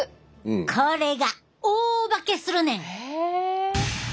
これが大化けするねん！へえ。